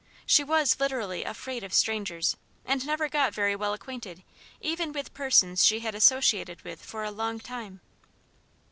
She was literally afraid of strangers, and never got very well acquainted even with persons she had associated with for a long time.